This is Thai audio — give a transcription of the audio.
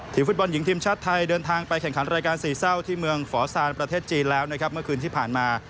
ฟุตบอลหญิงทีมชาติไทยเดินทางไปแข่งขันรายการสี่เศร้าที่เมืองฟอร์ซานประเทศจีนแล้วนะครับเมื่อคืนที่ผ่านมา